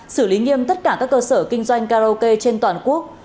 xử lý nghiêm tất cả các cơ sở kinh doanh karaoke trên toàn quốc